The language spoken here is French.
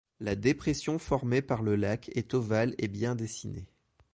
La dépression formée par le lac est ovale et bien dessinée.